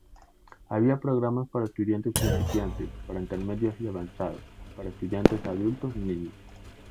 Había programas para estudiantes principiantes, para intermedios y avanzados, para estudiantes adultos y niños.